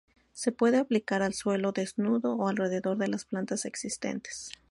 Se puede aplicar al suelo desnudo, o alrededor de las plantas existentes.